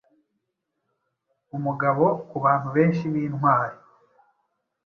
Umugabo-kubantu benshi bintwari